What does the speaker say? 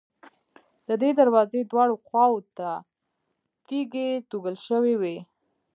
د دې دروازې دواړو خواوو ته تیږې توږل شوې وې.